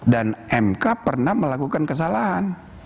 mk pernah melakukan kesalahan